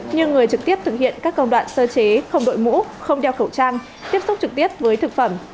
như người trực tiếp thực hiện các công đoạn sơ chế không đội mũ không đeo khẩu trang tiếp xúc trực tiếp với thực phẩm